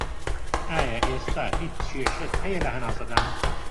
ئایا ئێستا هیچ کێشەت هەیە لە هەناسەدان